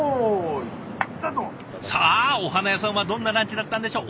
さあお花屋さんはどんなランチだったんでしょう？